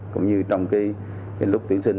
cũng như trong cái lúc tuyển sinh